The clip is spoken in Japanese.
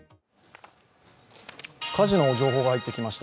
火事の情報が入ってきました。